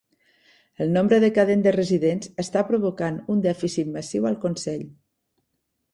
El nombre decadent de residents està provocant un dèficit massiu al consell.